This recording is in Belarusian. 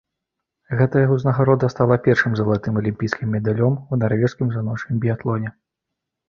Гэтая ўзнагарода стала першым залатым алімпійскім медалём у нарвежскім жаночым біятлоне.